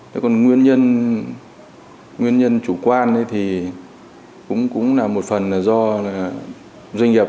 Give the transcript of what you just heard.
thế còn nguyên nhân chủ quan thì cũng là một phần là do doanh nghiệp